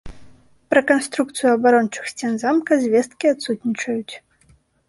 Пра канструкцыю абарончых сцен замка звесткі адсутнічаюць.